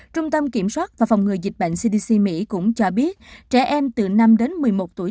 trung tâm kiểm soát và phòng ngừa dịch bệnh cdc mỹ cũng cho biết trẻ em từ năm đến một mươi một tuổi